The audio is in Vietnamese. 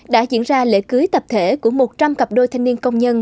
đã diễn ra lễ cưới tập thể của một trăm linh cặp đôi thanh niên công nhân